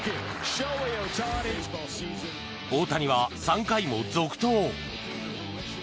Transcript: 大谷は３回も続投。